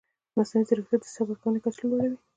مصنوعي ځیرکتیا د حساب ورکونې کچه لوړوي.